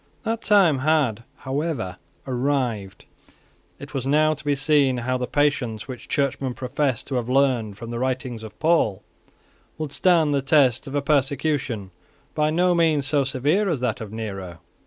That time had however arrived. It was now to be seen how the patience which Churchmen professed to have learned from the writings of Paul would stand the test of a persecution by no means so severe as that of Nero.